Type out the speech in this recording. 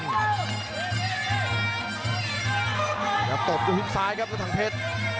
จะตบอยู่ฮิ้มซ้ายครับรถถังเพชร